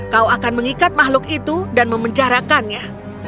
kau akan mengikat makhluk itu dan memencarakannya